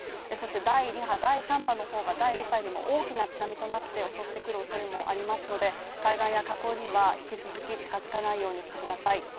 そして第２波、第３波の方が第１波でも大きな津波となって襲ってくるおそれもありますので、海岸や河口には引き続き近づかないようにしてください。